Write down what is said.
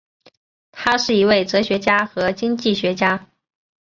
他是一位哲学家和经济学家。